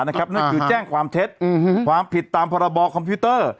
นั่นคือแจ้งความเท็จความผิดตามพรบคอมพิวเตอร์